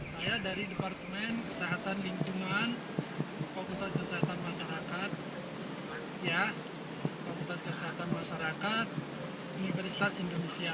saya dari departemen kesehatan lingkungan komunitas kesehatan masyarakat universitas indonesia